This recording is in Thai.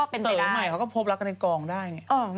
เต๋อใหม่เขาก็พบลักษณ์ในกองได้อย่างนี้